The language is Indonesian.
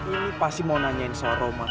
ini pasti mau nanyain soal roma